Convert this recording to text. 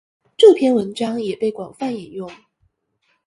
这篇文章也被广泛引用。